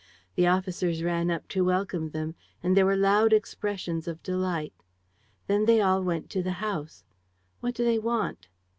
The officers ran up to welcome them; and there were loud expressions of delight. Then they all went to the house. What do they want?